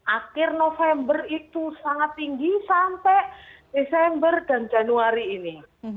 akhir november itu sangat tinggi sampai desember dan januari ini